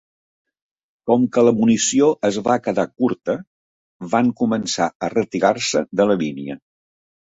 Com que la munició es va quedar curta, van començar a retirar-se de la línia.